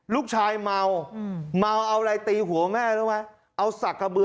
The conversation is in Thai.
ลูกชายเมาเอาอะไรตีหัวแม่